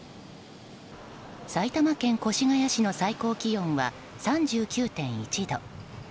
埼玉県越谷市の最高気温は３９．１度。